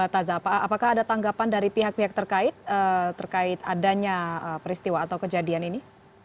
taza apakah ada tanggapan dari pihak pihak terkait terkait adanya peristiwa atau kejadian ini